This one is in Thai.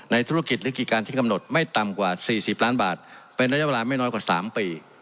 ธุรกิจหรือกิจการที่กำหนดไม่ต่ำกว่า๔๐ล้านบาทเป็นระยะเวลาไม่น้อยกว่า๓ปี